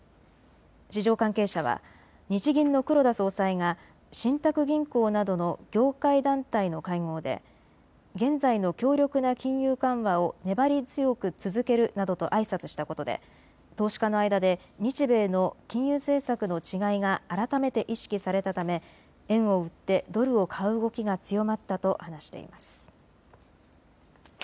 市場関係者は日銀の黒田総裁が信託銀行などの業界団体の会合で現在の強力な金融緩和を粘り強く続けるなどとあいさつしたことで投資家の間で日米の金融政策の違いが改めて意識されたため円を売ってドルを買う動きが強まったと話しています。